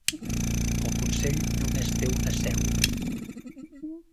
El consell només té una seu.